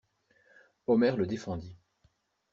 Omer le défendit.